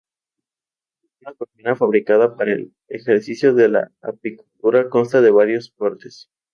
Una colmena fabricada para el ejercicio de la apicultura consta de varias partes.